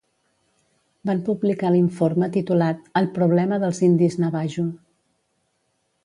Van publicar l'informe, titulat "El problema dels indis navajo".